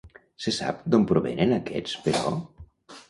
Se sap d'on provenen aquests, però?